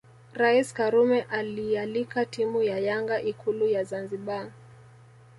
Rais Karume aliialika timu ya Yanga Ikulu ya Zanzibar